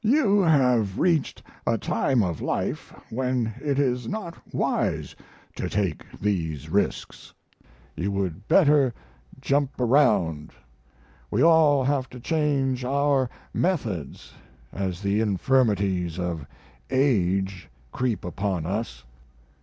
You have reached a time of life when it is not wise to take these risks. You would better jump around. We all have to change our methods as the infirmities of age creep upon us.